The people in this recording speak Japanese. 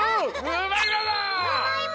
うまいまだ！